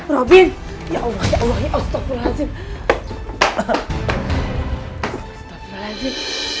robin ya allah astaghfirullahaladzim